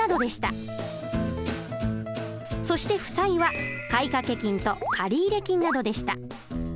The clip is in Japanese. そして負債は買掛金と借入金などでした。